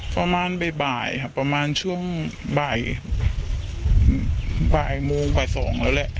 ประมาณบ่ายครับประมาณช่วงบ่ายบ่ายโมงบ่ายสองแล้วแหละ